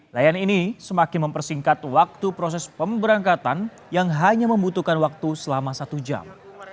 layanan ini semakin mempersingkat waktu proses pemberangkatan yang hanya membutuhkan waktu selama satu jam